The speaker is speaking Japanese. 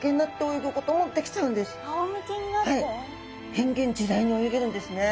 変幻自在に泳げるんですね。